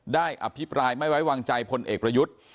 อภิปรายไม่ไว้วางใจพลเอกประยุทธ์